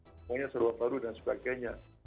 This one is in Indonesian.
pokoknya seluruh baru dan sebagainya